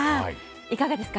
いかがですか？